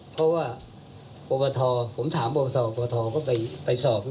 เพราะว่าปปทผมถามปปศปทก็ไปสอบ